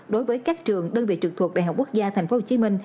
đối với các trường đơn vị trực thuộc đại học quốc gia tp hcm